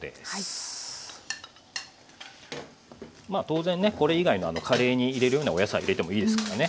当然ねこれ以外のカレーに入れるようなお野菜入れてもいいですからね。